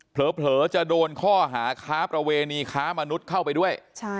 เผลอจะโดนข้อหาค้าประเวณีค้ามนุษย์เข้าไปด้วย